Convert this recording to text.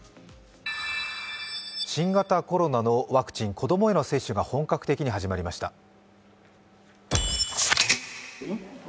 新型コロナのワクチン、子供への接種が本格的に始まりました。